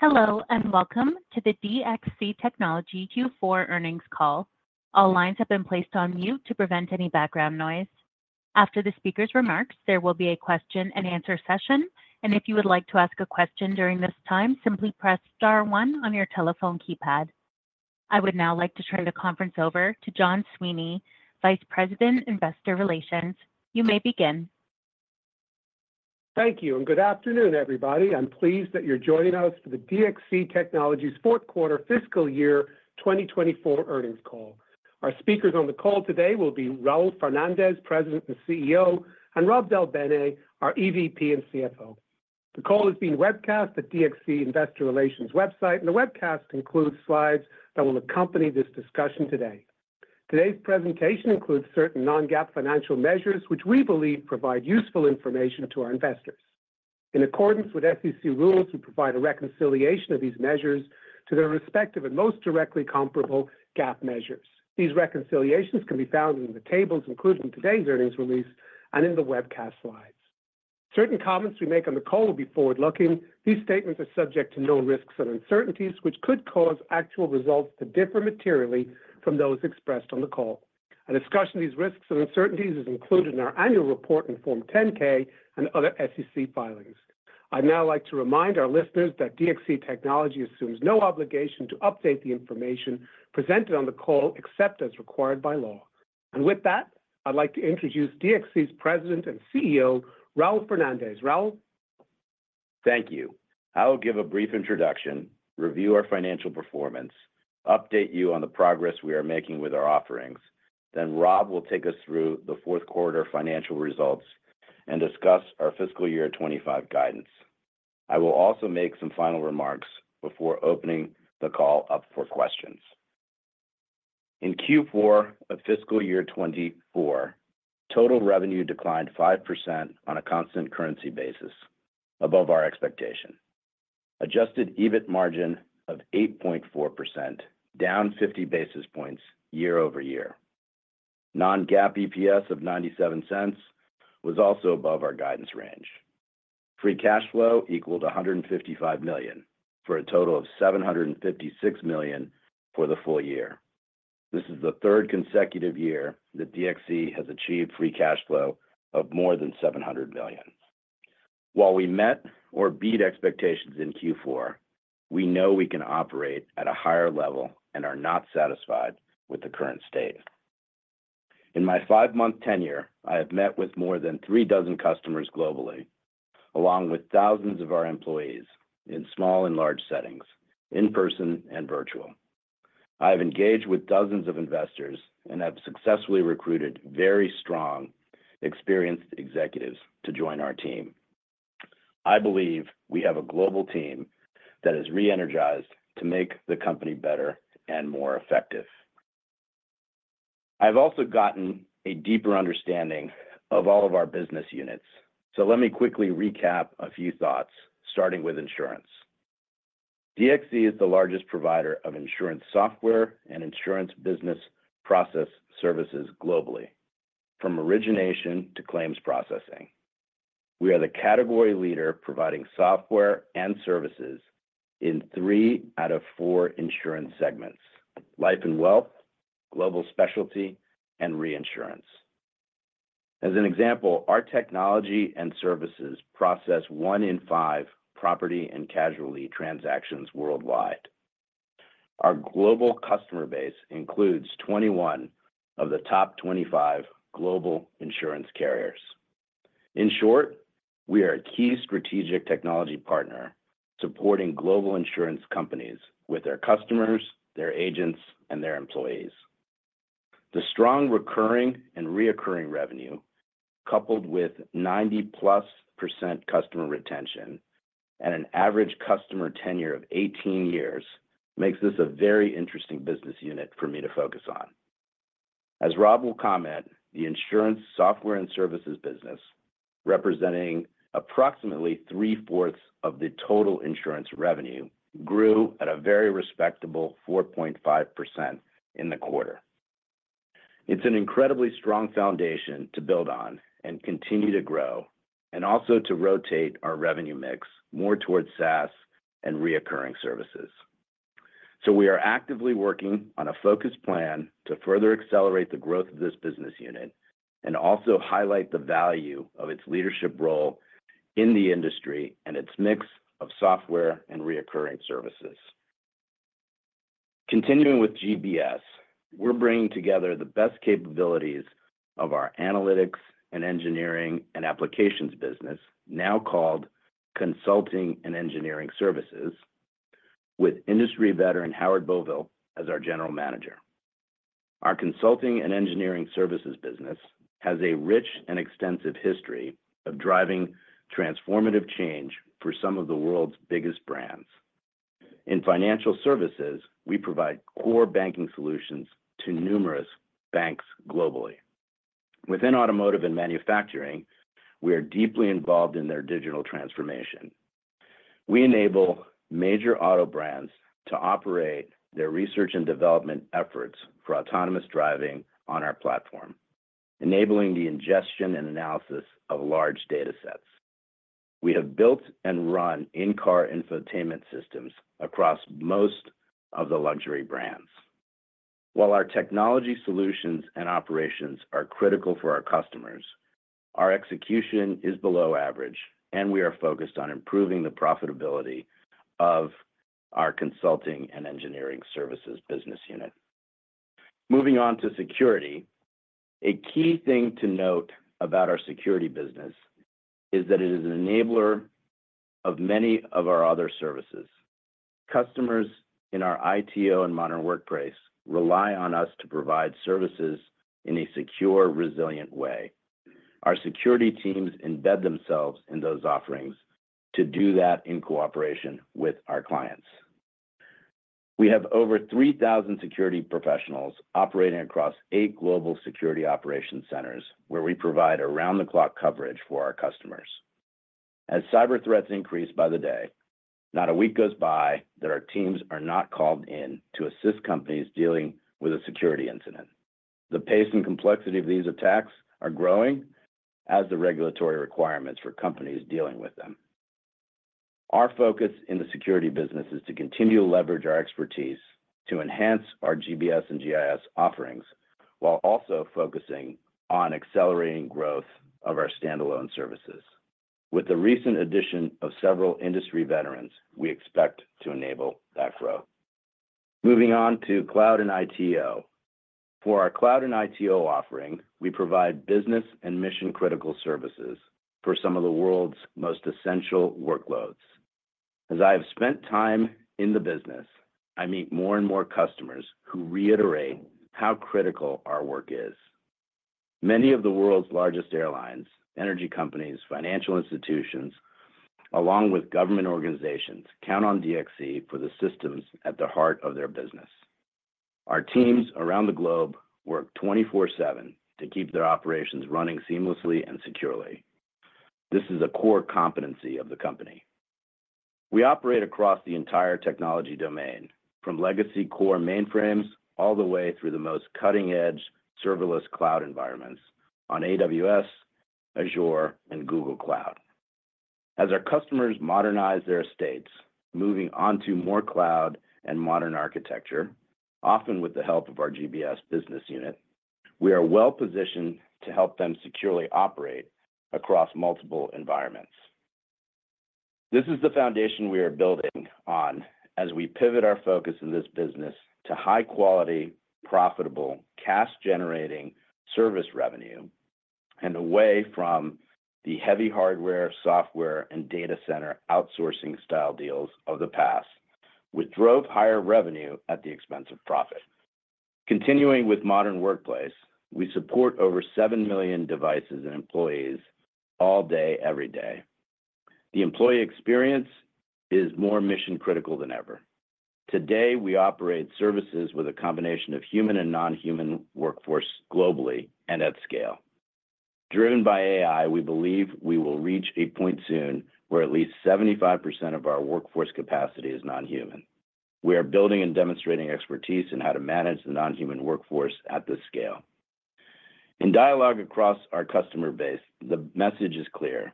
Hello, and welcome to the DXC Technology Q4 Earnings Call. All lines have been placed on mute to prevent any background noise. After the speaker's remarks, there will be a question and answer session, and if you would like to ask a question during this time, simply press star one on your telephone keypad. I would now like to turn the conference over to John Sweeney, Vice President, Investor Relations. You may begin. Thank you, and good afternoon, everybody. I'm pleased that you're joining us for the DXC Technology's fourth quarter fiscal year 2024 earnings call. Our speakers on the call today will be Raul Fernandez, President and CEO, and Rob Del Bene, our EVP and CFO. The call is being webcast at DXC Investor Relations website, and the webcast includes slides that will accompany this discussion today. Today's presentation includes certain non-GAAP financial measures, which we believe provide useful information to our investors. In accordance with SEC rules, we provide a reconciliation of these measures to their respective and most directly comparable GAAP measures. These reconciliations can be found in the tables included in today's earnings release and in the webcast slides. Certain comments we make on the call will be forward-looking. These statements are subject to known risks and uncertainties, which could cause actual results to differ materially from those expressed on the call. A discussion of these risks and uncertainties is included in our annual report in Form 10-K and other SEC filings. I'd now like to remind our listeners that DXC Technology assumes no obligation to update the information presented on the call, except as required by law. And with that, I'd like to introduce DXC's President and CEO, Raul Fernandez. Raul? Thank you. I will give a brief introduction, review our financial performance, update you on the progress we are making with our offerings, then Rob will take us through the fourth quarter financial results and discuss our fiscal year 2025 guidance. I will also make some final remarks before opening the call up for questions. In Q4 of fiscal year 2024, total revenue declined 5% on a constant currency basis, above our expectation. Adjusted EBIT margin of 8.4%, down 50 basis points year-over-year. Non-GAAP EPS of $0.97 was also above our guidance range. Free cash flow equaled $155 million, for a total of $756 million for the full year. This is the third consecutive year that DXC has achieved free cash flow of more than $700 million. While we met or beat expectations in Q4, we know we can operate at a higher level and are not satisfied with the current state. In my 5-month tenure, I have met with more than three dozen customers globally, along with thousands of our employees in small and large settings, in person and virtual. I have engaged with dozens of investors and have successfully recruited very strong, experienced executives to join our team. I believe we have a global team that is re-energized to make the company better and more effective. I've also gotten a deeper understanding of all of our business units, so let me quickly recap a few thoughts, starting with insurance. DXC is the largest provider of insurance software and insurance business process services globally, from origination to claims processing. We are the category leader providing software and services in three out of four insurance segments: life and wealth, global specialty, and reinsurance. As an example, our technology and services process one in five property and casualty transactions worldwide. Our global customer base includes 21 of the top 25 global insurance carriers. In short, we are a key strategic technology partner supporting global insurance companies with their customers, their agents, and their employees. The strong recurring and reoccurring revenue, coupled with 90+% customer retention and an average customer tenure of 18 years, makes this a very interesting business unit for me to focus on. As Rob will comment, the insurance software and services business, representing approximately 3/4 of the total insurance revenue, grew at a very respectable 4.5% in the quarter. It's an incredibly strong foundation to build on and continue to grow, and also to rotate our revenue mix more towards SaaS and recurring services. So we are actively working on a focused plan to further accelerate the growth of this business unit and also highlight the value of its leadership role in the industry and its mix of software and recurring services. Continuing with GBS, we're bringing together the best capabilities of our Analytics and Engineering and Applications business, now called Consulting and Engineering Services, with industry veteran Howard Boville as our General Manager. Our Consulting and Engineering Services business has a rich and extensive history of driving transformative change for some of the world's biggest brands. In financial services, we provide core banking solutions to numerous banks globally. Within automotive and manufacturing, we are deeply involved in their digital transformation. We enable major auto brands to operate their research and development efforts for autonomous driving on our platform... enabling the ingestion and analysis of large data sets. We have built and run in-car infotainment systems across most of the luxury brands. While our technology solutions and operations are critical for our customers, our execution is below average, and we are focused on improving the profitability of our Consulting and Engineering Services business unit. Moving on to Security. A key thing to note about our Security business is that it is an enabler of many of our other services. Customers in our ITO and Modern Workplace rely on us to provide services in a secure, resilient way. Our Security teams embed themselves in those offerings to do that in cooperation with our clients. We have over 3,000 Security professionals operating across eight global Security operation centers, where we provide around-the-clock coverage for our customers. As cyber threats increase by the day, not a week goes by that our teams are not called in to assist companies dealing with a Security incident. The pace and complexity of these attacks are growing, as the regulatory requirements for companies dealing with them. Our focus in the Security business is to continue to leverage our expertise to enhance our GBS and GIS offerings, while also focusing on accelerating growth of our standalone services. With the recent addition of several industry veterans, we expect to enable that growth. Moving on to Cloud and ITO. For our Cloud and ITO offering, we provide business and mission-critical services for some of the world's most essential workloads. As I have spent time in the business, I meet more and more customers who reiterate how critical our work is. Many of the world's largest airlines, energy companies, financial institutions, along with government organizations, count on DXC for the systems at the heart of their business. Our teams around the globe work 24/7 to keep their operations running seamlessly and securely. This is a core competency of the company. We operate across the entire technology domain, from legacy core mainframes all the way through the most cutting-edge serverless cloud environments on AWS, Azure, and Google Cloud. As our customers modernize their estates, moving on to more cloud and modern architecture, often with the help of our GBS business unit, we are well-positioned to help them securely operate across multiple environments. This is the foundation we are building on as we pivot our focus in this business to high quality, profitable, cash-generating service revenue, and away from the heavy hardware, software, and data center outsourcing style deals of the past, which drove higher revenue at the expense of profit. Continuing with Modern Workplace, we support over seven million devices and employees all day, every day. The employee experience is more mission-critical than ever. Today, we operate services with a combination of human and non-human workforce globally and at scale. Driven by AI, we believe we will reach a point soon where at least 75% of our workforce capacity is non-human. We are building and demonstrating expertise in how to manage the non-human workforce at this scale. In dialogue across our customer base, the message is clear: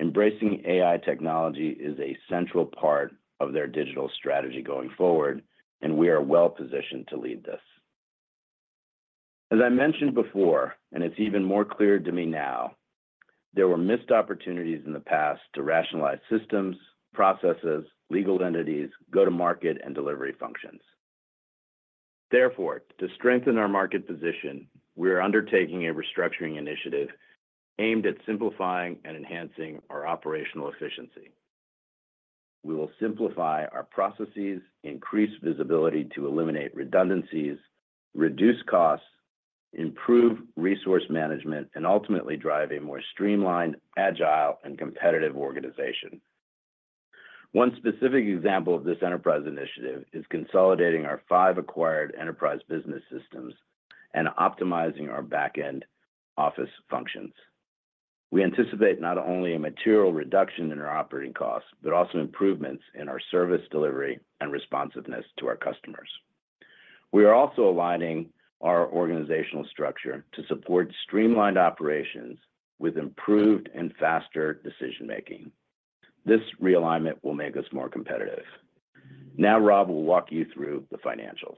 embracing AI technology is a central part of their digital strategy going forward, and we are well positioned to lead this. As I mentioned before, and it's even more clear to me now, there were missed opportunities in the past to rationalize systems, processes, legal entities, go-to-market, and delivery functions. Therefore, to strengthen our market position, we are undertaking a restructuring initiative aimed at simplifying and enhancing our operational efficiency. We will simplify our processes, increase visibility to eliminate redundancies, reduce costs, improve resource management, and ultimately drive a more streamlined, agile, and competitive organization. One specific example of this enterprise initiative is consolidating our five acquired enterprise business systems and optimizing our back-end office functions. We anticipate not only a material reduction in our operating costs, but also improvements in our service delivery and responsiveness to our customers. We are also aligning our organizational structure to support streamlined operations with improved and faster decision-making. This realignment will make us more competitive. Now, Rob will walk you through the financials.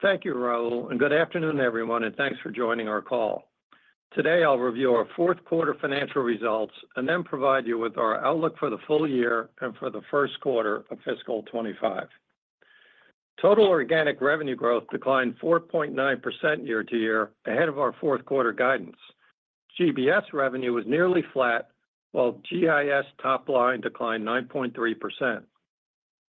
Thank you, Raul, and good afternoon, everyone, and thanks for joining our call. Today, I'll review our fourth quarter financial results and then provide you with our outlook for the full year and for the first quarter of fiscal 2025. Total organic revenue growth declined 4.9% year-over-year, ahead of our fourth quarter guidance. GBS revenue was nearly flat, while GIS top line declined 9.3%.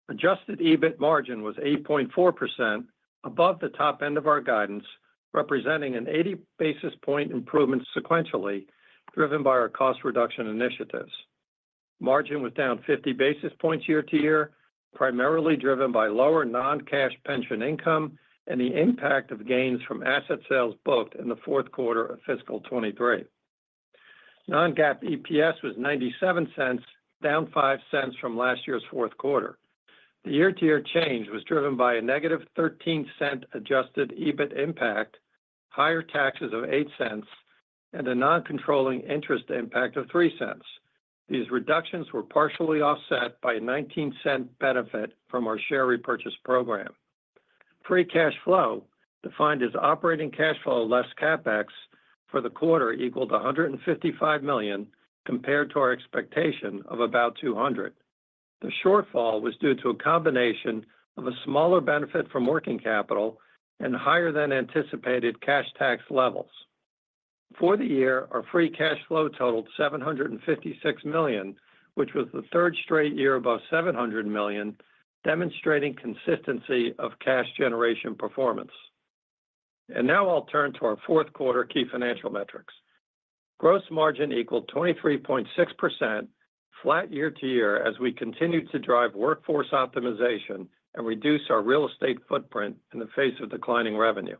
Adjusted EBIT margin was 8.4% above the top end of our guidance, representing an 80 basis point improvement sequentially, driven by our cost reduction initiatives. Margin was down 50 basis points year-over-year, primarily driven by lower non-cash pension income and the impact of gains from asset sales booked in the fourth quarter of fiscal 2023. Non-GAAP EPS was $0.97, down $0.05 from last year's fourth quarter. The year-to-year change was driven by a negative $0.13 Adjusted EBIT impact, higher taxes of $0.08, and a non-controlling interest impact of $0.03. These reductions were partially offset by a $0.19 benefit from our share repurchase program. Free cash flow, defined as operating cash flow less CapEx, for the quarter equaled $155 million, compared to our expectation of about $200 million. The shortfall was due to a combination of a smaller benefit from working capital and higher than anticipated cash tax levels. For the year, our free cash flow totaled $756 million, which was the third straight year above $700 million, demonstrating consistency of cash generation performance. Now I'll turn to our fourth quarter key financial metrics. Gross margin equaled 23.6%, flat year-over-year, as we continued to drive workforce optimization and reduce our real estate footprint in the face of declining revenue.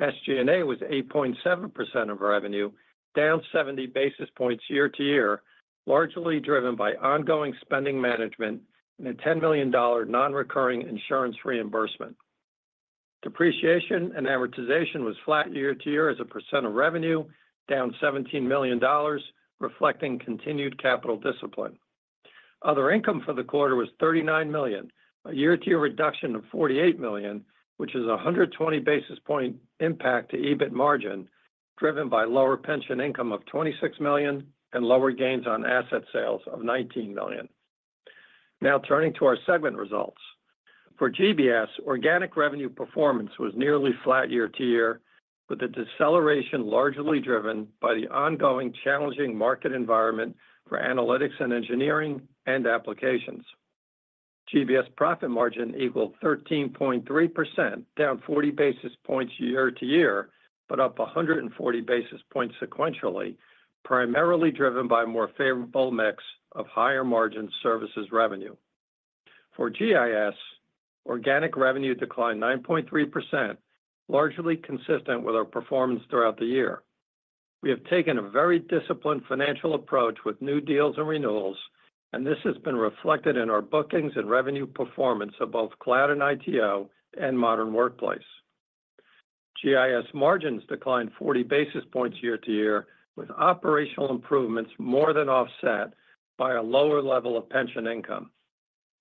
SG&A was 8.7% of revenue, down 70 basis points year-over-year, largely driven by ongoing spending management and a $10 million non-recurring insurance reimbursement. Depreciation and amortization was flat year-over-year as a percent of revenue, down $17 million, reflecting continued capital discipline. Other income for the quarter was $39 million, a year-to-year reduction of $48 million, which is a 120 basis point impact to EBIT margin, driven by lower pension income of $26 million and lower gains on asset sales of $19 million. Now turning to our segment results. For GBS, organic revenue performance was nearly flat year-over-year, with a deceleration largely driven by the ongoing challenging market environment for analytics and engineering and applications. GBS profit margin equaled 13.3%, down 40 basis points year-over-year, but up 140 basis points sequentially, primarily driven by more favorable mix of higher margin services revenue. For GIS, organic revenue declined 9.3%, largely consistent with our performance throughout the year. We have taken a very disciplined financial approach with new deals and renewals, and this has been reflected in our bookings and revenue performance of both Cloud and ITO and Modern Workplace. GIS margins declined 40 basis points year-over-year, with operational improvements more than offset by a lower level of pension income.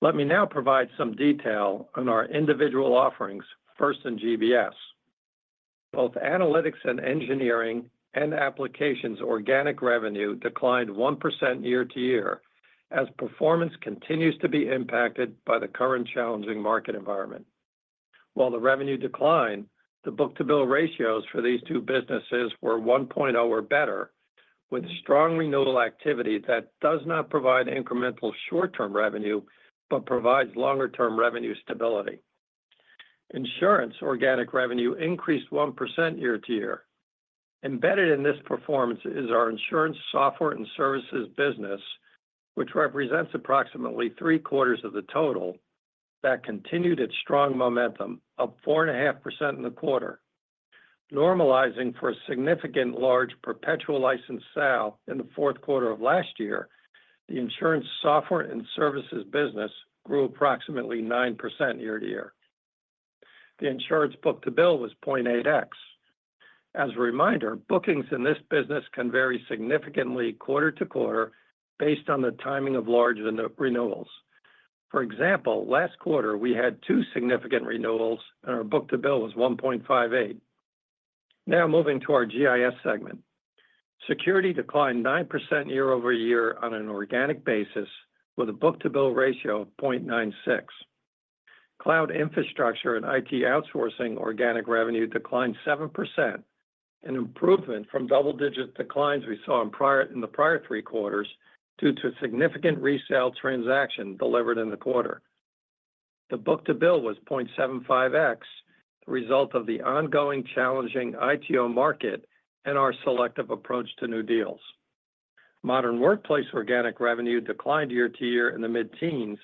Let me now provide some detail on our individual offerings, first in GBS. Both Analytics and Engineering and Applications organic revenue declined 1% year-over-year, as performance continues to be impacted by the current challenging market environment. While the revenue declined, the book-to-bill ratios for these two businesses were 1.0 or better, with strong renewal activity that does not provide incremental short-term revenue, but provides longer-term revenue stability. Insurance organic revenue increased 1% year-over-year. Embedded in this performance is our insurance software and services business, which represents approximately three quarters of the total, that continued its strong momentum, up 4.5% in the quarter. Normalizing for a significant large perpetual license sale in the fourth quarter of last year, the insurance software and services business grew approximately 9% year-over-year. The insurance book-to-bill was 0.8x. As a reminder, bookings in this business can vary significantly quarter-to-quarter based on the timing of large renewals. For example, last quarter we had two significant renewals, and our book-to-bill was 1.58. Now moving to our GIS segment. Security declined 9% year-over-year on an organic basis, with a book-to-bill ratio of 0.96. Cloud infrastructure and IT outsourcing organic revenue declined 7%, an improvement from double-digit declines we saw in the prior three quarters due to a significant resale transaction delivered in the quarter. The book-to-bill was 0.75x, the result of the ongoing challenging ITO market and our selective approach to new deals. Modern Workplace organic revenue declined year-over-year in the mid-teens,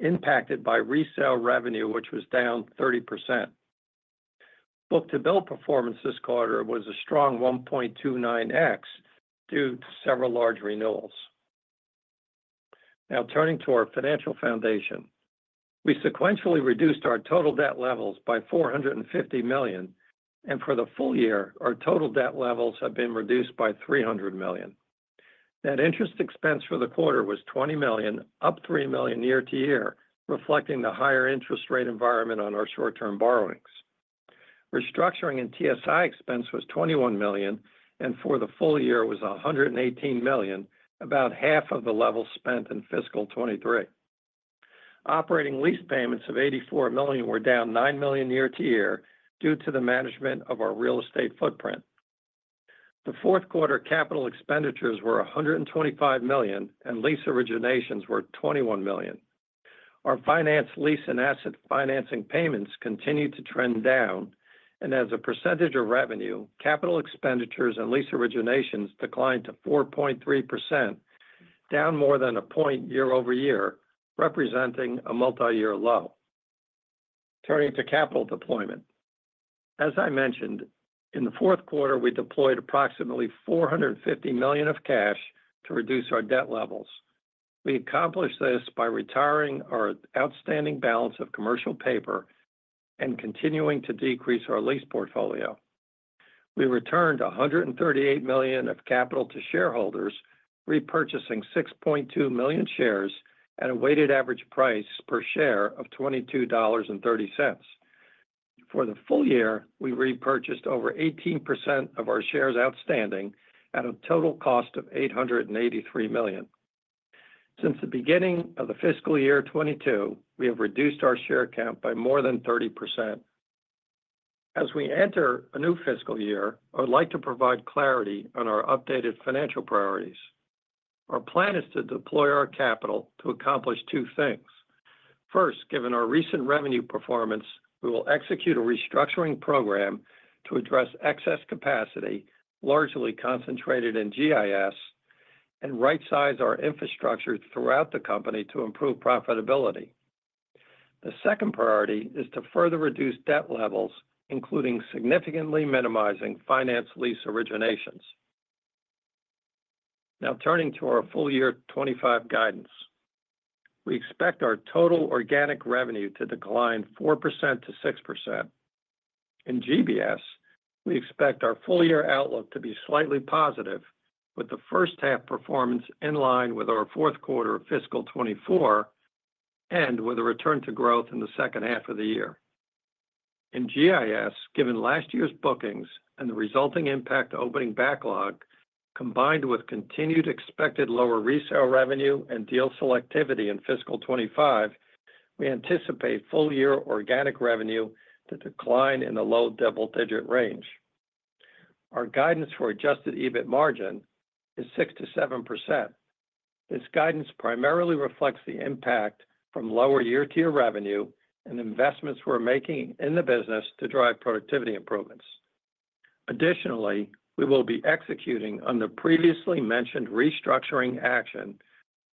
impacted by resale revenue, which was down 30%. Book-to-bill performance this quarter was a strong 1.29x due to several large renewals. Now turning to our financial foundation. We sequentially reduced our total debt levels by $450 million, and for the full year, our total debt levels have been reduced by $300 million. Net interest expense for the quarter was $20 million, up $3 million year-over-year, reflecting the higher interest rate environment on our short-term borrowings. Restructuring and TSI expense was $21 million, and for the full year, it was $118 million, about half of the level spent in fiscal 2023. Operating lease payments of $84 million were down $9 million year-over-year due to the management of our real estate footprint. The fourth quarter capital expenditures were $125 million, and lease originations were $21 million. Our finance lease and asset financing payments continued to trend down, and as a percentage of revenue, capital expenditures and lease originations declined to 4.3%, down more than a point year-over-year, representing a multiyear low.... Turning to capital deployment. As I mentioned, in the fourth quarter, we deployed approximately $450 million of cash to reduce our debt levels. We accomplished this by retiring our outstanding balance of commercial paper and continuing to decrease our lease portfolio. We returned $138 million of capital to shareholders, repurchasing 6.2 million shares at a weighted average price per share of $22.30. For the full year, we repurchased over 18% of our shares outstanding at a total cost of $883 million. Since the beginning of the fiscal year 2022, we have reduced our share count by more than 30%. As we enter a new fiscal year, I would like to provide clarity on our updated financial priorities. Our plan is to deploy our capital to accomplish two things. First, given our recent revenue performance, we will execute a restructuring program to address excess capacity, largely concentrated in GIS, and rightsize our infrastructure throughout the company to improve profitability. The second priority is to further reduce debt levels, including significantly minimizing finance lease originations. Now, turning to our full year 2025 guidance. We expect our total organic revenue to decline 4%-6%. In GBS, we expect our full year outlook to be slightly positive, with the first half performance in line with our fourth quarter of fiscal 2024, and with a return to growth in the second half of the year. In GIS, given last year's bookings and the resulting impact to opening backlog, combined with continued expected lower resale revenue and deal selectivity in fiscal 2025, we anticipate full year organic revenue to decline in the low double-digit range. Our guidance for Adjusted EBIT margin is 6%-7%. This guidance primarily reflects the impact from lower year-to-year revenue and investments we're making in the business to drive productivity improvements. Additionally, we will be executing on the previously mentioned restructuring action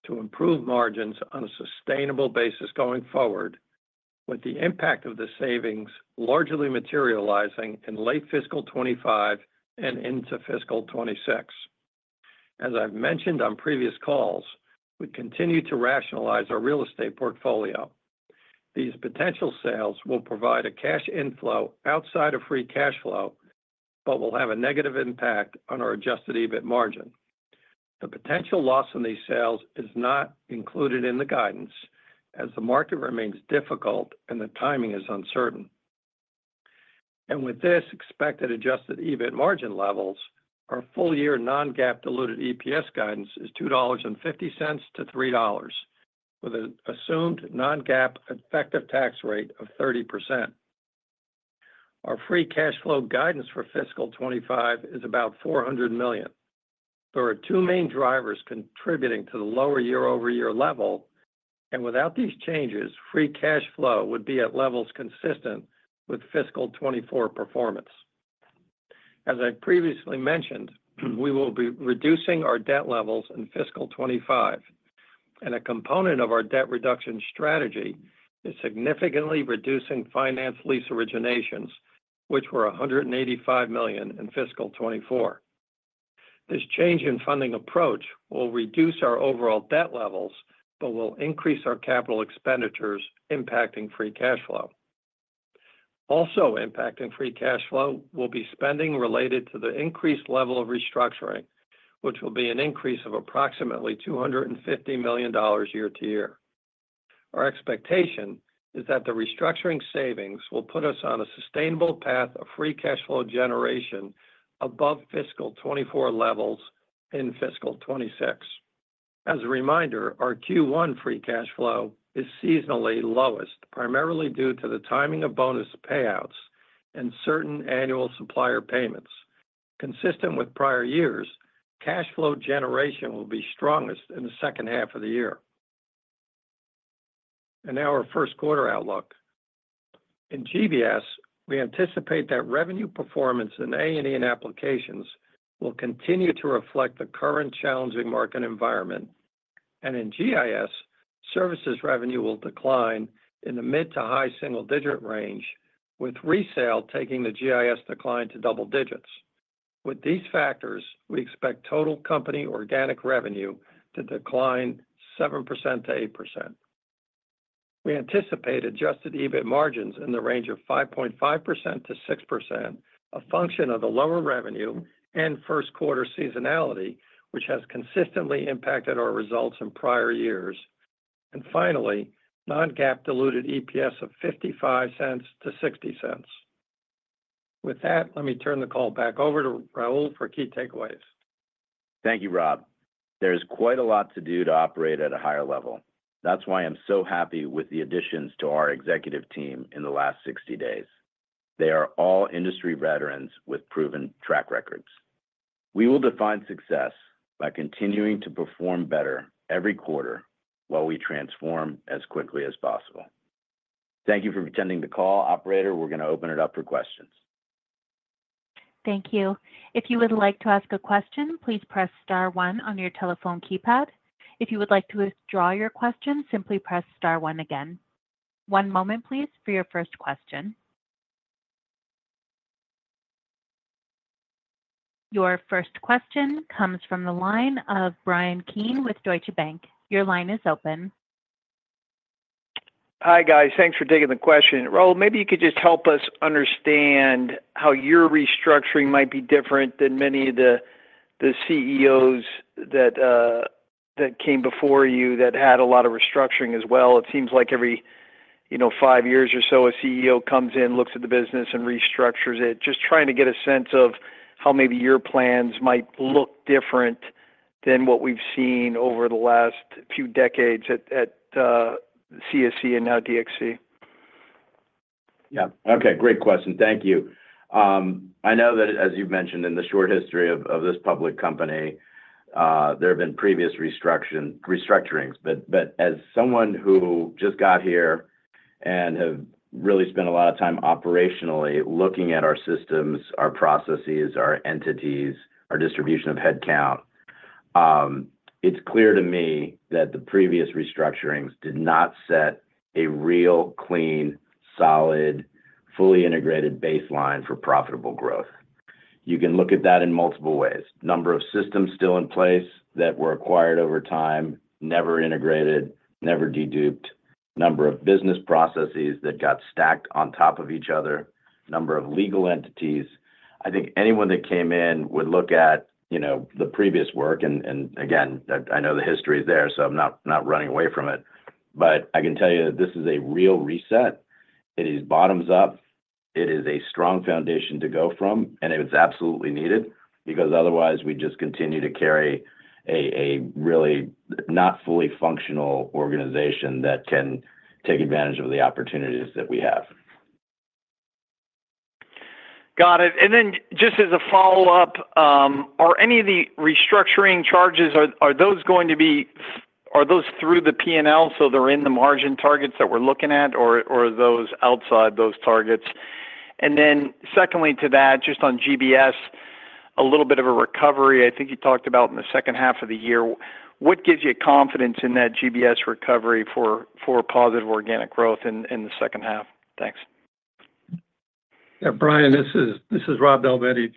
to improve margins on a sustainable basis going forward, with the impact of the savings largely materializing in late fiscal 2025 and into fiscal 2026. As I've mentioned on previous calls, we continue to rationalize our real estate portfolio. These potential sales will provide a cash inflow outside of free cash flow, but will have a negative impact on our Adjusted EBIT margin. The potential loss on these sales is not included in the guidance, as the market remains difficult and the timing is uncertain. With this expected Adjusted EBIT margin levels, our full-year non-GAAP diluted EPS guidance is $2.50-$3, with an assumed non-GAAP effective tax rate of 30%. Our free cash flow guidance for fiscal 2025 is about $400 million. There are two main drivers contributing to the lower year-over-year level, and without these changes, free cash flow would be at levels consistent with fiscal 2024 performance. As I previously mentioned, we will be reducing our debt levels in fiscal 2025, and a component of our debt reduction strategy is significantly reducing finance lease originations, which were $185 million in fiscal 2024. This change in funding approach will reduce our overall debt levels, but will increase our capital expenditures, impacting free cash flow. Also impacting free cash flow will be spending related to the increased level of restructuring, which will be an increase of approximately $250 million year to year. Our expectation is that the restructuring savings will put us on a sustainable path of free cash flow generation above fiscal 2024 levels in fiscal 2026. As a reminder, our Q1 free cash flow is seasonally lowest, primarily due to the timing of bonus payouts and certain annual supplier payments. Consistent with prior years, cash flow generation will be strongest in the second half of the year. Now our first quarter outlook. In GBS, we anticipate that revenue performance in A&E and applications will continue to reflect the current challenging market environment. In GIS, services revenue will decline in the mid to high single-digit range, with resale taking the GIS decline to double digits. With these factors, we expect total company organic revenue to decline 7%-8%. We anticipate adjusted EBIT margins in the range of 5.5%-6%, a function of the lower revenue and first quarter seasonality, which has consistently impacted our results in prior years. And finally, non-GAAP diluted EPS of $0.55-$0.60. With that, let me turn the call back over to Raul for key takeaways. Thank you, Rob. There is quite a lot to do to operate at a higher level. That's why I'm so happy with the additions to our executive team in the last 60 days. They are all industry veterans with proven track records. We will define success by continuing to perform better every quarter while we transform as quickly as possible. Thank you for attending the call. Operator, we're going to open it up for questions.... Thank you. If you would like to ask a question, please press star one on your telephone keypad. If you would like to withdraw your question, simply press star one again. One moment, please, for your first question. Your first question comes from the line of Brian Keane with Deutsche Bank. Your line is open. Hi, guys. Thanks for taking the question. Raul, maybe you could just help us understand how your restructuring might be different than many of the CEOs that came before you that had a lot of restructuring as well. It seems like every, you know, five years or so, a CEO comes in, looks at the business, and restructures it. Just trying to get a sense of how maybe your plans might look different than what we've seen over the last few decades at CSC and now DXC. Yeah. Okay, great question. Thank you. I know that, as you've mentioned in the short history of this public company, there have been previous restructurings. But as someone who just got here and have really spent a lot of time operationally looking at our systems, our processes, our entities, our distribution of headcount, it's clear to me that the previous restructurings did not set a real, clean, solid, fully integrated baseline for profitable growth. You can look at that in multiple ways. Number of systems still in place that were acquired over time, never integrated, never deduped, number of business processes that got stacked on top of each other, number of legal entities. I think anyone that came in would look at, you know, the previous work, and again, I know the history is there, so I'm not running away from it, but I can tell you that this is a real reset. It is bottoms up, it is a strong foundation to go from, and it's absolutely needed because otherwise we'd just continue to carry a really not fully functional organization that can take advantage of the opportunities that we have. Got it. And then just as a follow-up, are any of the restructuring charges going to be through the P&L, so they're in the margin targets that we're looking at, or are those outside those targets? And then secondly to that, just on GBS, a little bit of a recovery, I think you talked about in the second half of the year. What gives you confidence in that GBS recovery for positive organic growth in the second half? Thanks. Yeah, Brian, this is Rob Del Bene.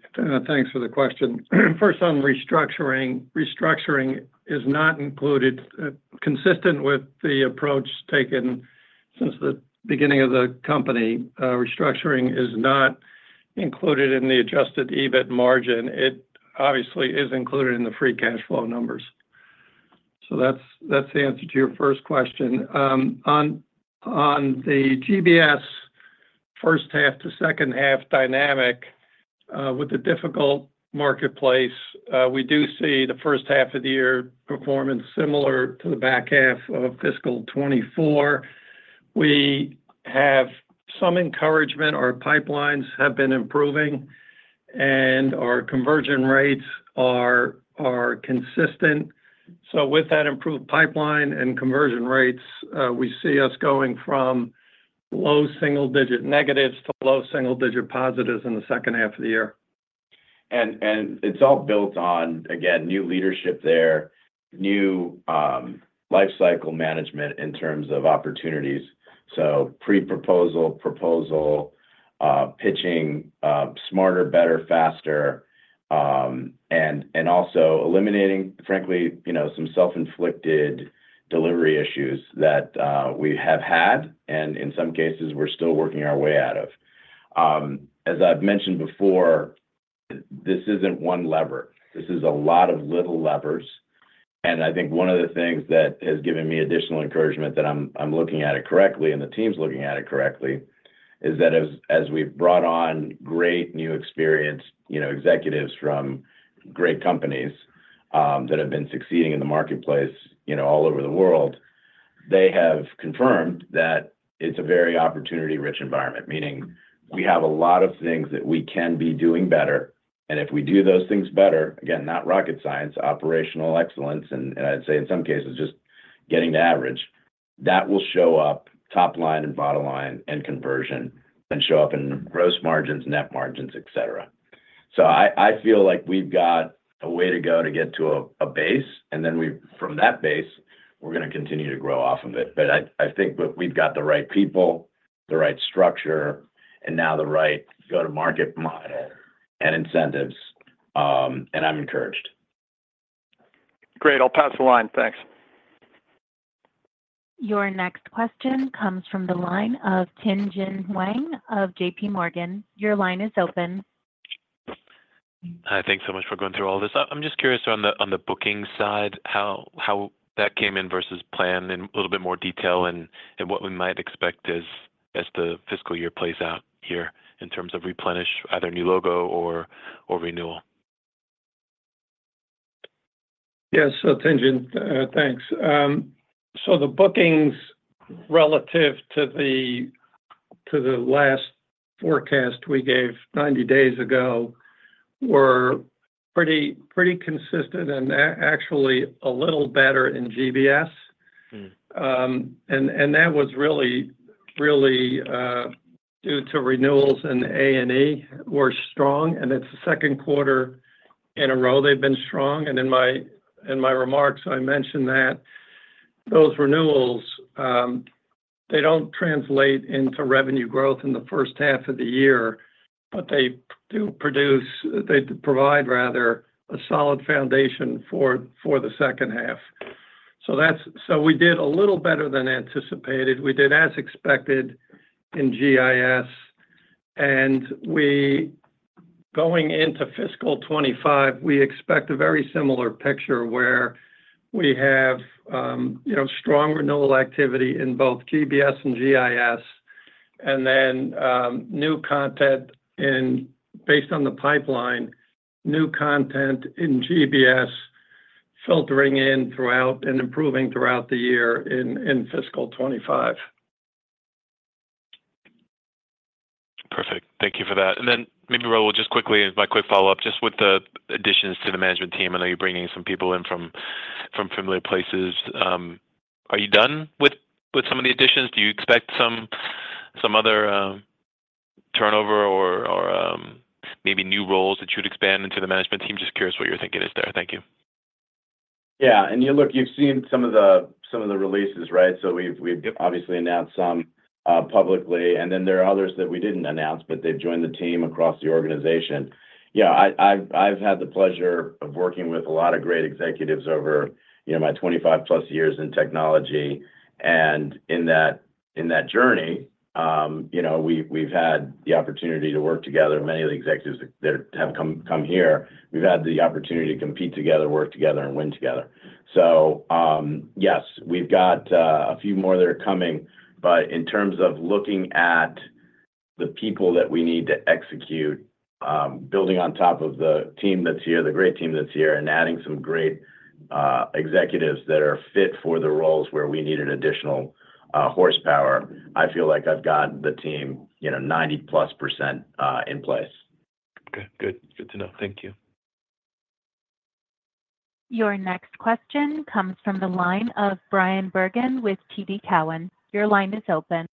Thanks for the question. First, on restructuring, restructuring is not included. Consistent with the approach taken since the beginning of the company, restructuring is not included in the Adjusted EBIT margin. It obviously is included in the free cash flow numbers. So that's the answer to your first question. On the GBS first half to second half dynamic, with the difficult marketplace, we do see the first half of the year performance similar to the back half of fiscal 2024. We have some encouragement. Our pipelines have been improving, and our conversion rates are consistent. So with that improved pipeline and conversion rates, we see us going from low single digit negatives to low single digit positives in the second half of the year. It's all built on, again, new leadership there, new lifecycle management in terms of opportunities. So pre-proposal, proposal, pitching, smarter, better, faster, and also eliminating, frankly, you know, some self-inflicted delivery issues that we have had, and in some cases, we're still working our way out of. As I've mentioned before, this isn't one lever. This is a lot of little levers, and I think one of the things that has given me additional encouragement that I'm looking at it correctly and the team's looking at it correctly, is that as we've brought on great new experienced, you know, executives from great companies that have been succeeding in the marketplace, you know, all over the world, they have confirmed that it's a very opportunity-rich environment, meaning we have a lot of things that we can be doing better, and if we do those things better, again, not rocket science, operational excellence, and I'd say in some cases, just getting to average, that will show up top line and bottom line and conversion, and show up in gross margins, net margins, et cetera. So I feel like we've got a way to go to get to a base, and then from that base, we're gonna continue to grow off of it. But I think we've got the right people, the right structure, and now the right go-to-market model and incentives, and I'm encouraged. Great. I'll pass the line. Thanks. Your next question comes from the line of Tianjun Wang of J.P. Morgan. Your line is open. Hi, thanks so much for going through all this. I'm just curious on the booking side, how that came in versus plan in a little bit more detail and what we might expect as the fiscal year plays out here in terms of replenish, either new logo or renewal. Yes, so Tianjun, thanks. So the bookings relative to the, to the last forecast we gave 90 days ago were pretty, pretty consistent and actually a little better in GBS. And, and that was really, really due to renewals in A&E were strong, and it's the second quarter in a row they've been strong. And in my, in my remarks, I mentioned that those renewals, they don't translate into revenue growth in the first half of the year, but they do produce- they provide rather, a solid foundation for, for the second half. So that's- so we did a little better than anticipated. We did as expected in GIS, and we, going into fiscal 2025, we expect a very similar picture where we have, you know, strong renewal activity in both GBS and GIS, and then, new content in, based on the pipeline, new content in GBS, filtering in throughout and improving throughout the year in fiscal 2025. Perfect. Thank you for that. And then maybe, Raul, just quickly, my quick follow-up, just with the additions to the management team. I know you're bringing some people in from familiar places. Are you done with some of the additions? Do you expect some other turnover or maybe new roles that you'd expand into the management team? Just curious what your thinking is there. Thank you. Yeah, and you look, you've seen some of the releases, right? So we've obviously announced some publicly, and then there are others that we didn't announce, but they've joined the team across the organization. Yeah, I've had the pleasure of working with a lot of great executives over, you know, my 25+ years in technology, and in that journey, you know, we've had the opportunity to work together. Many of the executives that have come here, we've had the opportunity to compete together, work together, and win together. So, yes, we've got a few more that are coming, but in terms of looking at the people that we need to execute, building on top of the team that's here, the great team that's here, and adding some great executives that are fit for the roles where we need an additional horsepower, I feel like I've got the team, you know, 90%+ in place. Okay, good. Good to know. Thank you. Your next question comes from the line of Bryan Bergin with TD Cowen. Your line is open.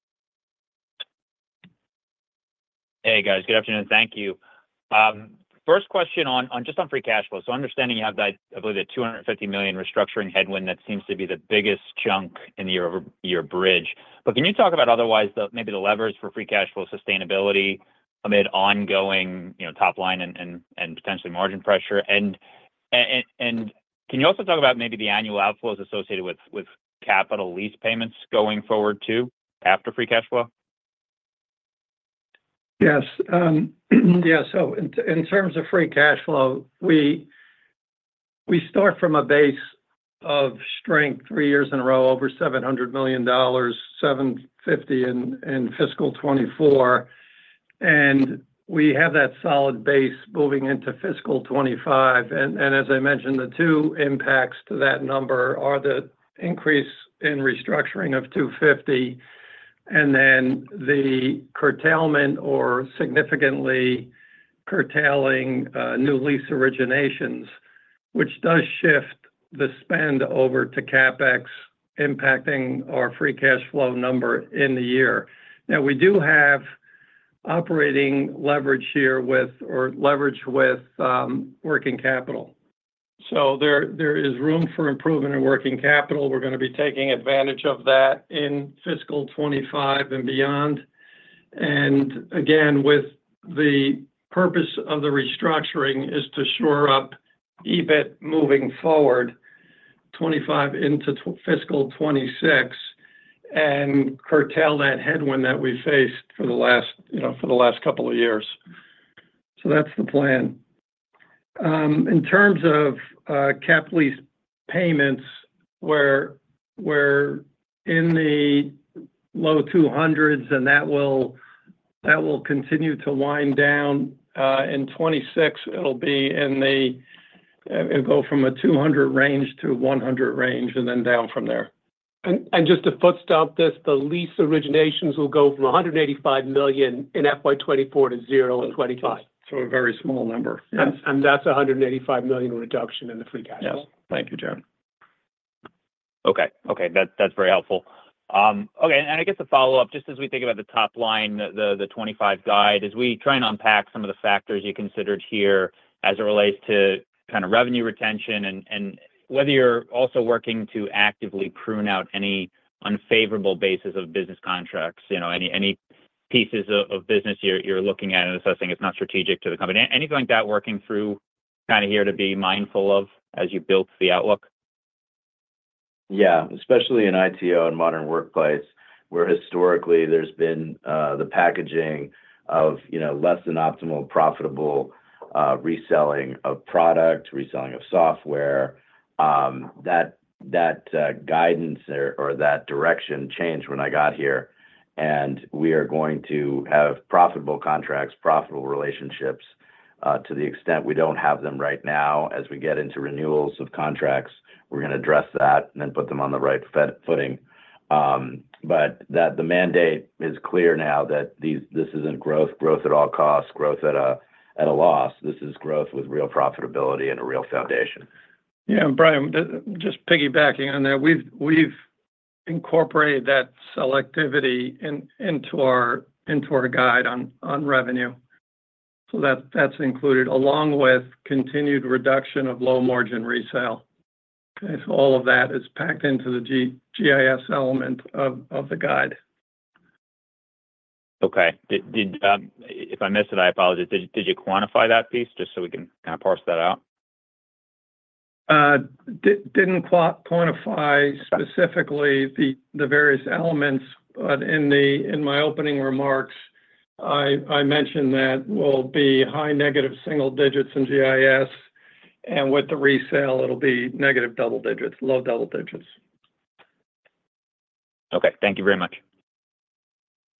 Hey, guys. Good afternoon. Thank you. First question on just on free cash flow. So understanding you have that, I believe, a $250 million restructuring headwind, that seems to be the biggest chunk in the year-over-year bridge. But can you talk about otherwise, maybe the levers for free cash flow sustainability amid ongoing, you know, top line and potentially margin pressure? And can you also talk about maybe the annual outflows associated with capital lease payments going forward, too, after free cash flow? Yes. Yeah, so in, in terms of free cash flow, we, we start from a base of strength three years in a row, over $700 million, $750 in fiscal 2024. And we have that solid base moving into fiscal 2025. And, and as I mentioned, the two impacts to that number are the increase in restructuring of $250, and then the curtailment or significantly curtailing new lease originations, which does shift the spend over to CapEx, impacting our free cash flow number in the year. Now, we do have operating leverage here with or leverage with working capital. So there, there is room for improvement in working capital. We're gonna be taking advantage of that in fiscal 2025 and beyond. Again, with the purpose of the restructuring is to shore up EBIT moving forward, 2025 into fiscal 2026, and curtail that headwind that we faced for the last, you know, for the last couple of years. So that's the plan. In terms of cap lease payments, we're in the low $200s, and that will continue to wind down. In 2026, it'll be in the, it'll go from a $200 range to a $100 range, and then down from there. Just to foot stomp this, the lease originations will go from $185 million in FY 2024 to zero in 2025. A very small number. Yeah. That's a $185 million reduction in the free cash flow. Yes. Thank you, Jim. Okay. Okay, that's very helpful. Okay, and I guess to follow up, just as we think about the top line, the '25 guide, as we try and unpack some of the factors you considered here as it relates to kind of revenue retention and whether you're also working to actively prune out any unfavorable basis of business contracts, you know, any pieces of business you're looking at and assessing, it's not strategic to the company. Anything like that working through kind of here to be mindful of as you built the outlook? Yeah, especially in ITO and Modern Workplace, where historically there's been the packaging of, you know, less than optimal, profitable reselling of product, reselling of software. That guidance or that direction changed when I got here, and we are going to have profitable contracts, profitable relationships. To the extent we don't have them right now, as we get into renewals of contracts, we're gonna address that and then put them on the right footing. But the mandate is clear now that this isn't growth, growth at all costs, growth at a loss. This is growth with real profitability and a real foundation. Yeah, Bryan, just piggybacking on that, we've incorporate that selectivity into our guide on revenue. So that's included, along with continued reduction of low-margin resale. Okay, so all of that is packed into the GIS element of the guide. Okay. If I missed it, I apologize. Did you quantify that piece, just so we can kind of parse that out? Didn't quantify specifically the various elements. But in my opening remarks, I mentioned that we'll be high negative single digits in GIS, and with the resale, it'll be negative double digits, low double digits. Okay. Thank you very much.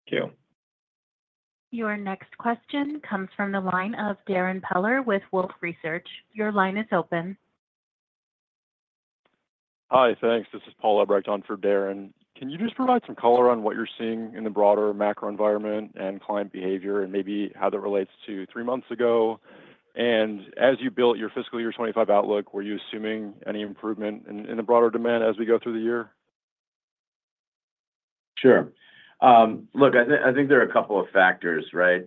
Thank you. Your next question comes from the line of Darren Peller with Wolfe Research. Your line is open. Hi. Thanks. This is Paul Albrecht on for Darren. Can you just provide some color on what you're seeing in the broader macro environment and client behavior, and maybe how that relates to three months ago? And as you built your fiscal year 2025 outlook, were you assuming any improvement in the broader demand as we go through the year? Sure. Look, I think there are a couple of factors, right,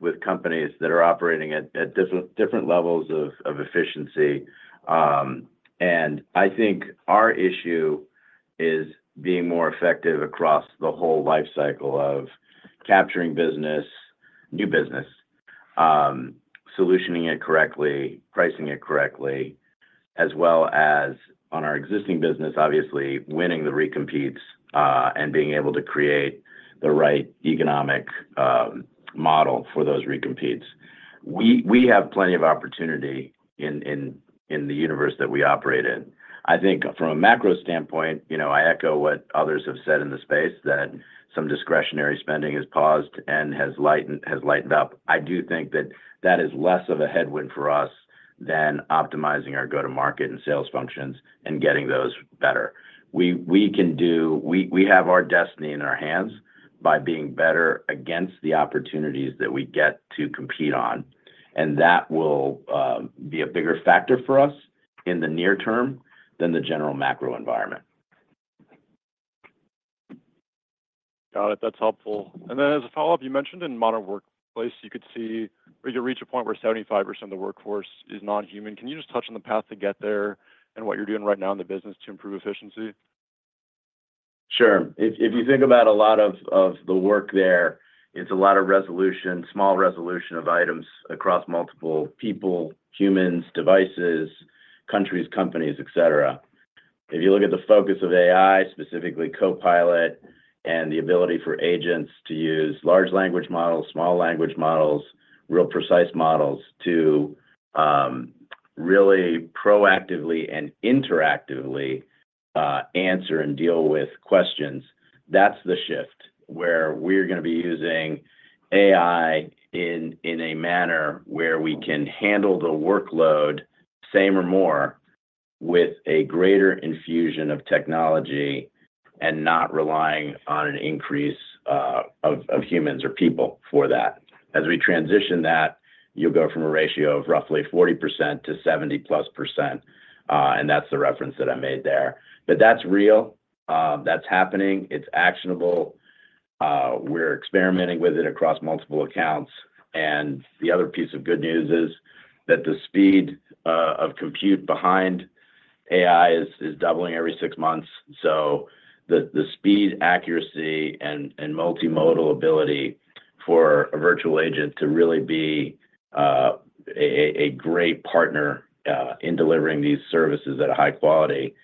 with companies that are operating at different levels of efficiency. And I think our issue is being more effective across the whole life cycle of capturing business, new business, solutioning it correctly, pricing it correctly, as well as on our existing business, obviously, winning the recompetes, and being able to create the right economic model for those recompetes. We have plenty of opportunity in the universe that we operate in. I think from a macro standpoint, you know, I echo what others have said in the space, that some discretionary spending has paused and has lightened up. I do think that is less of a headwind for us than optimizing our go-to-market and sales functions and getting those better. We can do. We have our destiny in our hands by being better against the opportunities that we get to compete on, and that will be a bigger factor for us in the near term than the general macro environment. Got it. That's helpful. And then, as a follow-up, you mentioned in Modern Workplace, you could see or you reach a point where 75% of the workforce is non-human. Can you just touch on the path to get there and what you're doing right now in the business to improve efficiency? Sure. If, if you think about a lot of, of the work there, it's a lot of resolution, small resolution of items across multiple people, humans, devices, countries, companies, et cetera. If you look at the focus of AI, specifically Copilot, and the ability for agents to use large language models, small language models, real precise models, to really proactively and interactively answer and deal with questions, that's the shift, where we're gonna be using AI in, in a manner where we can handle the workload, same or more, with a greater infusion of technology and not relying on an increase of, of humans or people for that. As we transition that, you'll go from a ratio of roughly 40% to 70%+, and that's the reference that I made there. But that's real. That's happening. It's actionable. We're experimenting with it across multiple accounts. And the other piece of good news is that the speed of compute behind AI is doubling every six months. So the speed, accuracy, and multimodal ability for a virtual agent to really be a great partner in delivering these services at a high quality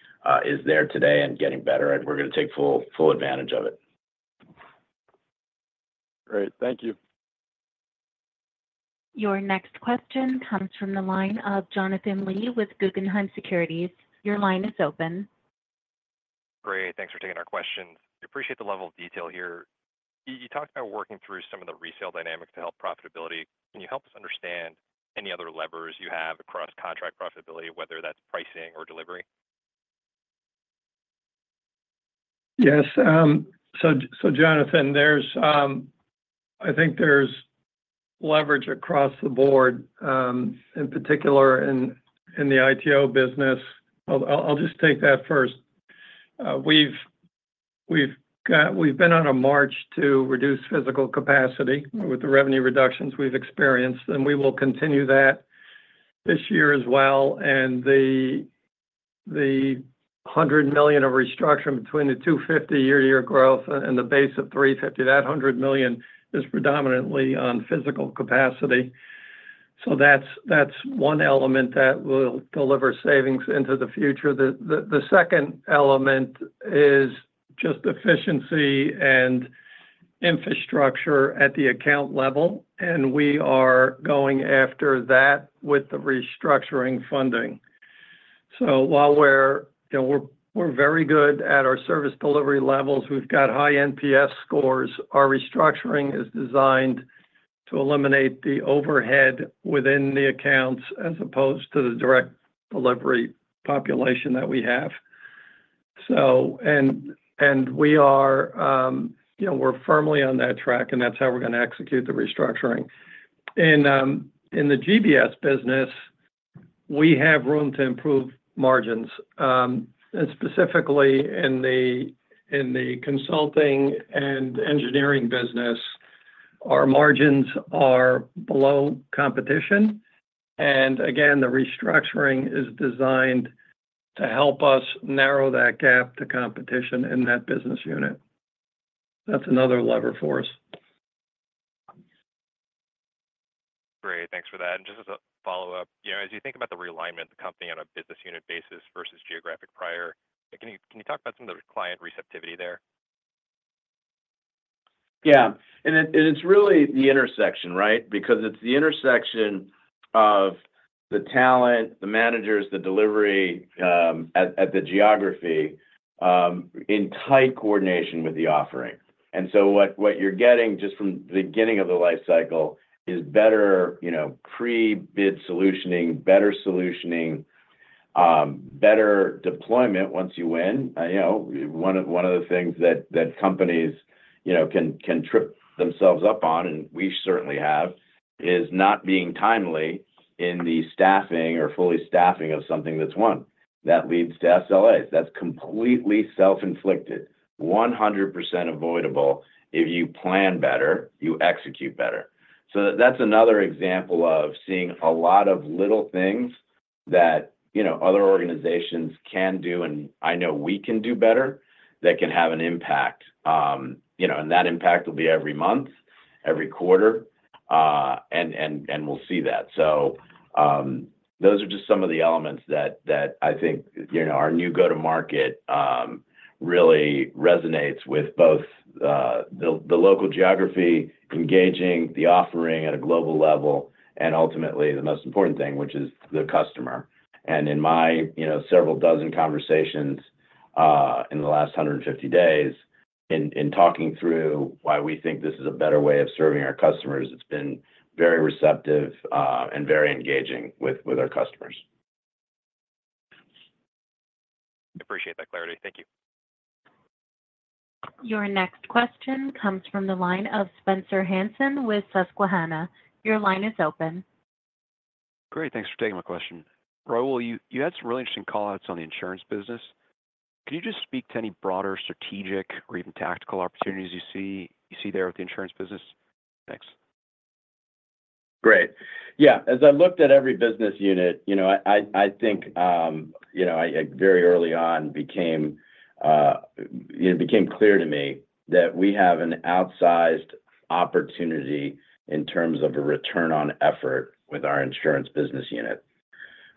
is there today and getting better, and we're gonna take full advantage of it. Great. Thank you. Your next question comes from the line of Jonathan Lee with Guggenheim Securities. Your line is open. Great. Thanks for taking our questions. We appreciate the level of detail here. You talked about working through some of the resale dynamics to help profitability. Can you help us understand any other levers you have across contract profitability, whether that's pricing or delivery? Yes, so, Jonathan, there's... I think there's leverage across the board, in particular, in the ITO business. I'll just take that first. We've been on a march to reduce physical capacity with the revenue reductions we've experienced, and we will continue that this year as well. The $100 million of restructuring between the 250 year-over-year growth and the base of 350, that $100 million is predominantly on physical capacity. So that's one element that will deliver savings into the future. The second element is just efficiency and infrastructure at the account level, and we are going after that with the restructuring funding. So while we're, you know, very good at our service delivery levels, we've got high NPS scores, our restructuring is designed to eliminate the overhead within the accounts, as opposed to the direct delivery population that we have. So, and we are, you know, we're firmly on that track, and that's how we're gonna execute the restructuring. In the GBS business, we have room to improve margins. And specifically in the consulting and engineering business, our margins are below competition. And again, the restructuring is designed to help us narrow that gap to competition in that business unit. That's another lever for us. Great, thanks for that. Just as a follow-up, you know, as you think about the realignment of the company on a business unit basis versus geographic prior, can you talk about some of the client receptivity there? Yeah. And it's really the intersection, right? Because it's the intersection of the talent, the managers, the delivery, at the geography, in tight coordination with the offering. And so what you're getting just from the beginning of the life cycle is better, you know, pre-bid solutioning, better solutioning, better deployment once you win. You know, one of the things that companies, you know, can trip themselves up on, and we certainly have, is not being timely in the staffing or fully staffing of something that's won. That leads to SLAs. That's completely self-inflicted, 100% avoidable. If you plan better, you execute better. So that's another example of seeing a lot of little things that, you know, other organizations can do, and I know we can do better, that can have an impact. You know, and that impact will be every month, every quarter, and we'll see that. So, those are just some of the elements that I think, you know, our new go-to-market really resonates with both the local geography, engaging the offering at a global level, and ultimately, the most important thing, which is the customer. And in my, you know, several dozen conversations in the last 150 days, in talking through why we think this is a better way of serving our customers, it's been very receptive and very engaging with our customers. I appreciate that clarity. Thank you. Your next question comes from the line of Spencer Hansen with Susquehanna. Your line is open. Great. Thanks for taking my question. Raul, you had some really interesting call-outs on the insurance business. Could you just speak to any broader strategic or even tactical opportunities you see there with the insurance business? Thanks. Great. Yeah, as I looked at every business unit, you know, I think, you know, very early on, it became clear to me that we have an outsized opportunity in terms of a return on effort with our insurance business unit.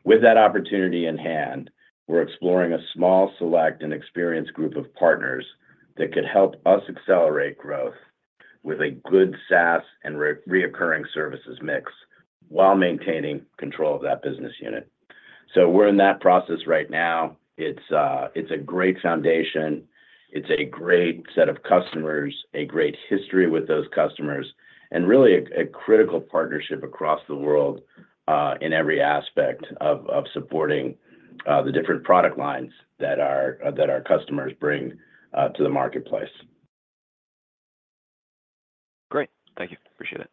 With that opportunity in hand, we're exploring a small, select, and experienced group of partners that could help us accelerate growth with a good SaaS and recurring services mix while maintaining control of that business unit. So we're in that process right now. It's a great foundation, it's a great set of customers, a great history with those customers, and really a critical partnership across the world, in every aspect of supporting, the different product lines that our customers bring, to the marketplace. Great. Thank you. Appreciate it.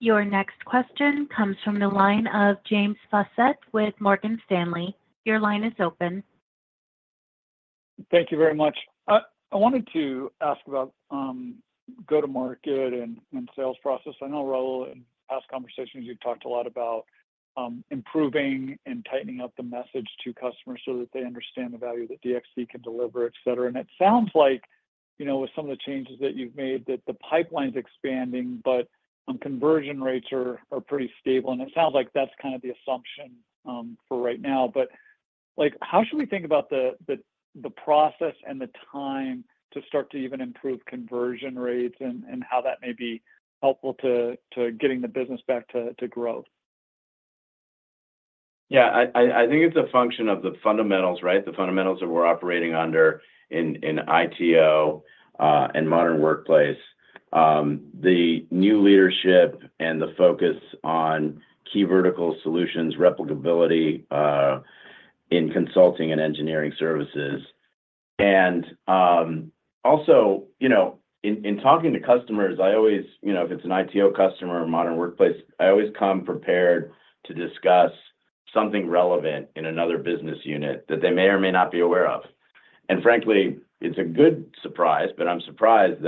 Your next question comes from the line of James Faucette with Morgan Stanley. Your line is open. Thank you very much. I wanted to ask about go-to-market and sales process. I know, Raul, in past conversations, you've talked a lot about improving and tightening up the message to customers so that they understand the value that DXC can deliver, et cetera. It sounds like, you know, with some of the changes that you've made, that the pipeline's expanding, but conversion rates are pretty stable, and it sounds like that's kind of the assumption for right now. Like, how should we think about the process and the time to start to even improve conversion rates and how that may be helpful to getting the business back to growth? Yeah, I think it's a function of the fundamentals, right? The fundamentals that we're operating under in ITO and Modern Workplace. The new leadership and the focus on key vertical solutions, replicability, in Consulting and Engineering Services. Also, you know, in talking to customers, I always... You know, if it's an ITO customer or Modern Workplace, I always come prepared to discuss something relevant in another business unit that they may or may not be aware of. And frankly, it's a good surprise, but I'm surprised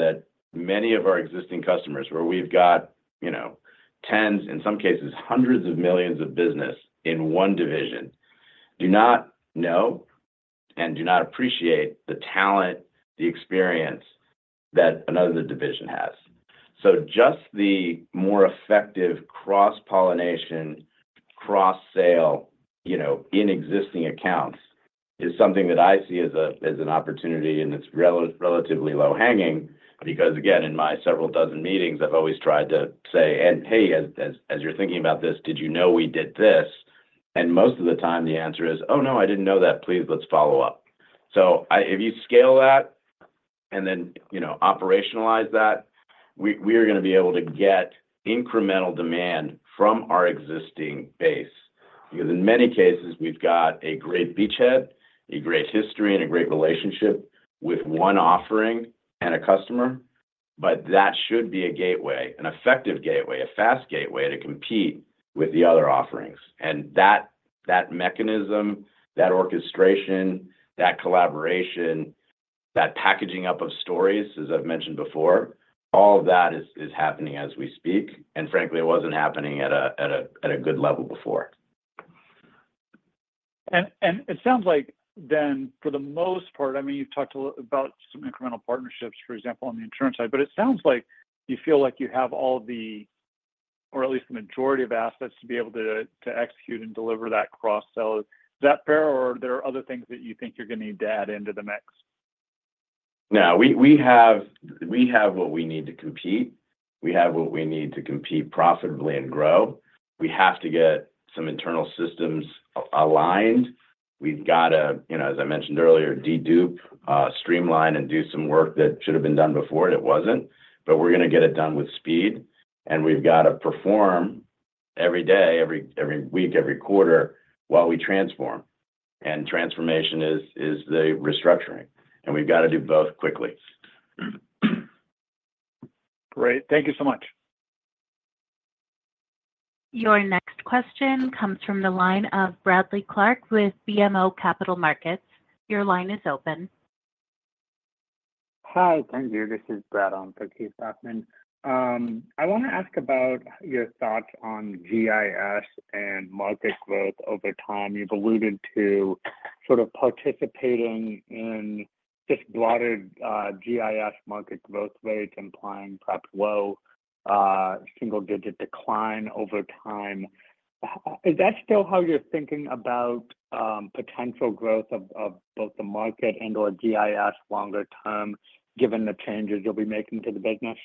that many of our existing customers, where we've got, you know, tens, in some cases, hundreds of millions of business in one division, do not know and do not appreciate the talent, the experience that another division has. So just the more effective cross-pollination, cross-sale, you know, in existing accounts, is something that I see as an opportunity, and it's relatively low-hanging. Because, again, in my several dozen meetings, I've always tried to say, "And hey, as you're thinking about this, did you know we did this?" And most of the time, the answer is, "Oh, no, I didn't know that. Please, let's follow up." So if you scale that, and then, you know, operationalize that, we are gonna be able to get incremental demand from our existing base. Because in many cases, we've got a great beachhead, a great history, and a great relationship with one offering and a customer, but that should be a gateway, an effective gateway, a fast gateway to compete with the other offerings. That mechanism, that orchestration, that collaboration, that packaging up of stories, as I've mentioned before, all of that is happening as we speak, and frankly, it wasn't happening at a good level before. And it sounds like then for the most part, I mean, you've talked a lot about some incremental partnerships, for example, on the insurance side, but it sounds like you feel like you have all the, or at least the majority of assets to be able to, to execute and deliver that cross-sell. Is that fair, or are there other things that you think you're going to need to add into the mix? No, we, we have, we have what we need to compete. We have what we need to compete profitably and grow. We have to get some internal systems aligned. We've got to, you know, as I mentioned earlier, de-dupe, streamline, and do some work that should have been done before, and it wasn't, but we're going to get it done with speed. And we've got to perform every day, every, every week, every quarter while we transform. And transformation is, is the restructuring, and we've got to do both quickly. Great. Thank you so much. Your next question comes from the line of Bradley Clark with BMO Capital Markets. Your line is open. Hi. Thank you. This is Brad on for Keith Bachman. I want to ask about your thoughts on GIS and market growth over time. You've alluded to sort of participating in just broader GIS market growth rates, implying perhaps low single-digit decline over time. Is that still how you're thinking about potential growth of both the market and/or GIS longer term, given the changes you'll be making to the business?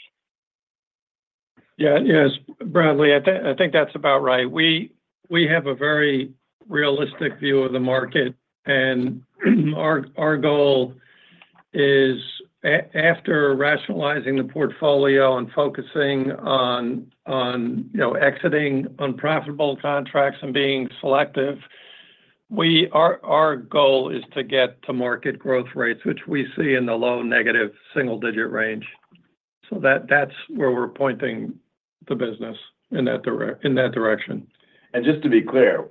Yeah. Yes, Bradley, I think that's about right. We have a very realistic view of the market, and our goal is after rationalizing the portfolio and focusing on, you know, exiting unprofitable contracts and being selective, our goal is to get to market growth rates, which we see in the low negative single-digit range. So that's where we're pointing the business, in that direction. And just to be clear,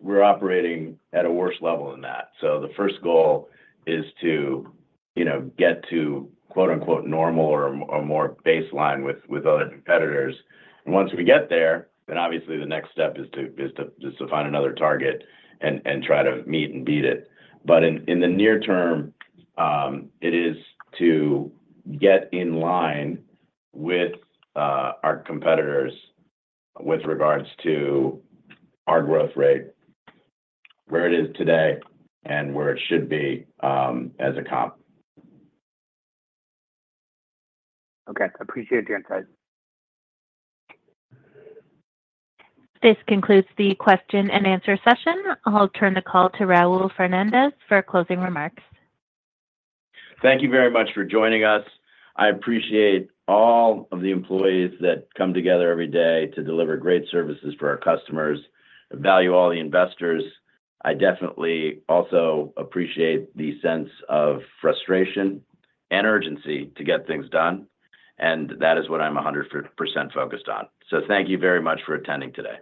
we're operating at a worse level than that. So the first goal is to, you know, get to, quote-unquote, "normal" or more baseline with other competitors. And once we get there, then obviously the next step is to find another target and try to meet and beat it. But in the near term, it is to get in line with our competitors with regards to our growth rate, where it is today and where it should be, as a comp. Okay. I appreciate the insight. This concludes the question-and-answer session. I'll turn the call to Raul Fernandez for closing remarks. Thank you very much for joining us. I appreciate all of the employees that come together every day to deliver great services for our customers and value all the investors. I definitely also appreciate the sense of frustration and urgency to get things done, and that is what I'm 100% focused on. Thank you very much for attending today.